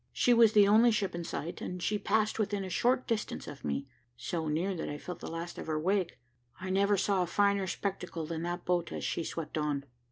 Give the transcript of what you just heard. She was the only ship in sight, and she passed within a short distance of me, so near that I felt the last of her wake. I never saw a finer spectacle than that boat as she swept on."